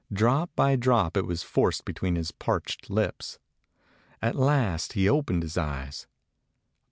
Drop by drop it was forced between his parched lips. At last he opened his eyes.